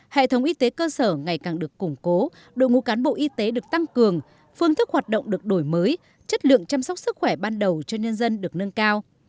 hệ thống y tế cơ sở ngày càng được củng cố đội ngũ cán bộ y tế được tăng cường phương thức hoạt động được đổi mới chất lượng chăm sóc sức khỏe ban đầu cho nhân dân được nâng cao